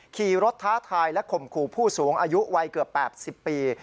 ขี่รถท้าทายและข่มขู่ผู้สูงอายุวัยเกือบ๘๐ปี